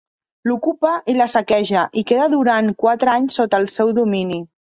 L'ocupa i la saqueja, i queda durant quatre anys sota el seu domini.